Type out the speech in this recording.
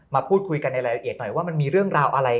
มาพูดคุยกันในรายละเอียดหน่อยว่ามันมีเรื่องราวอะไร